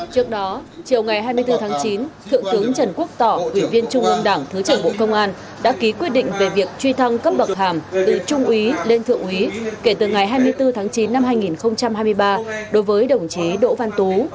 trước đó chiều ngày hai mươi bốn tháng chín thượng tướng trần quốc tỏ ủy viên trung ương đảng thứ trưởng bộ công an đã ký quyết định về việc truy thăng cấp bậc hàm từ trung úy lên thượng úy kể từ ngày hai mươi bốn tháng chín năm hai nghìn hai mươi ba đối với đồng chí đỗ văn tú